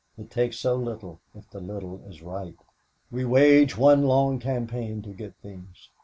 It takes so little if the little is right. We wage one long campaign to get things.